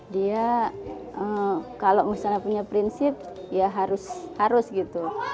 dia kalau misalnya punya prinsip ya harus gitu